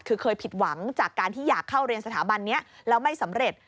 คือเคยผิดหวังจากการที่อยากเข้าเรียนสถาบันนี้แล้วไม่สำเร็จ